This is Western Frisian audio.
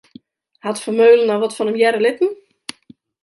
Hat Vermeulen al wat fan him hearre litten?